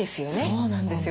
そうなんですよ。